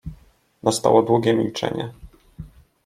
Nastało długie milczenie.